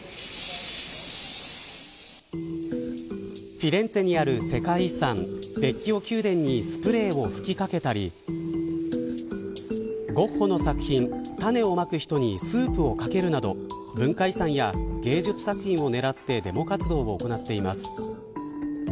フィレンツェにある世界遺産ヴェッキオ宮殿にスプレーを吹きかけたりゴッホの作品、種をまく人にスープをかけるなど文化遺産や芸術作品を狙ってデモ活動を行っています。